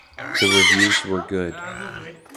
The reviews were good.